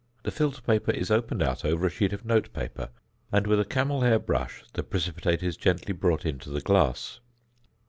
The filter paper is opened out over a sheet of note paper, and, with a camel hair brush, the precipitate is gently brought into the glass.